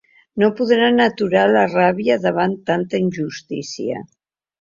No podran aturar la ràbia davant tanta injustícia.